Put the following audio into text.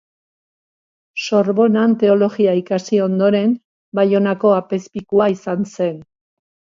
Sorbonan teologia ikasi ondoren, Baionako apezpikua izan zen.